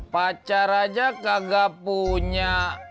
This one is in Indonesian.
pacar aja kagak punya